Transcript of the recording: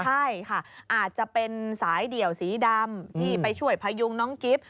ใช่ค่ะอาจจะเป็นสายเดี่ยวสีดำที่ไปช่วยพยุงน้องกิฟต์